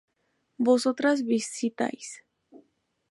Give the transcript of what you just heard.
Vosotras visitáis